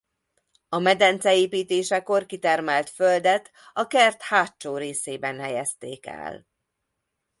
A medence építésekor kitermelt földet a kert hátsó részében helyezték el.